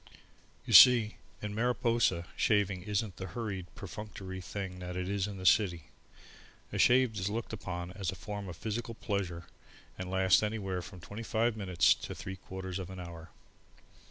You see, in Mariposa, shaving isn't the hurried, perfunctory thing that it is in the city. A shave is looked upon as a form of physical pleasure and lasts anywhere from twenty five minutes to three quarters of an hour.